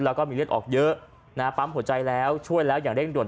แล้วก็มีเลือดออกเยอะนะฮะปั๊มหัวใจแล้วช่วยแล้วอย่างเร่งด่ว